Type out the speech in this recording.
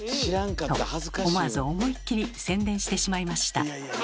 と思わず思いっきり宣伝してしまいました。